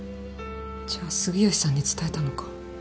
じゃあ杉好さんに伝えたのか？